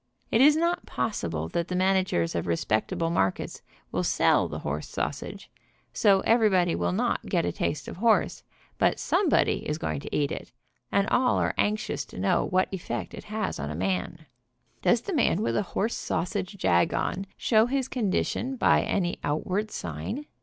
It is not pos sible that the managers of respectable markets will sell the horse sausage, so everybody will not get a BI MEATALLlC SAUSAGE 47 taste of horse, but somebody is going to eat it, and all are anxious to know what effect it has on a man. Does the man with a horse sausage jag on show his con dition by any outward sign?